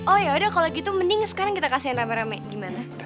oh ya udah kalo gitu mending sekarang kita kasihin rame rame gimana